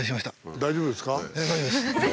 大丈夫ですか？